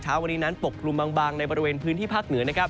เช้าวันนี้นั้นปกกลุ่มบางในบริเวณพื้นที่ภาคเหนือนะครับ